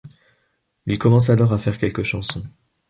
Ils commencent alors à faire quelques chansons.